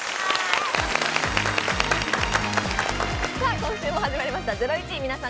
今週も始まりました『ゼロイチ』、皆さん